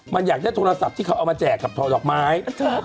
มันอยากได้โทรศัพท์ที่เขาเอามาแจกกับทอดอกไม้